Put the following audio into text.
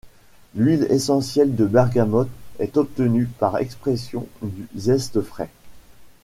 L'huile essentielle de bergamote est obtenue par expression du zeste frais.